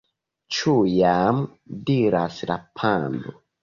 "Ĉu jam?" diras la pando.